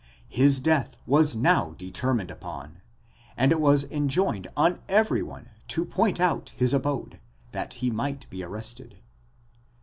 His death was now determined upon, and it was enjoined on every one to point out his abode, that he might be arrested (xi.